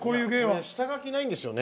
下書きないんですよね？